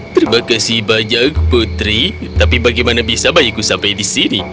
terima kasih banyak putri tapi bagaimana bisa bayiku sampai di sini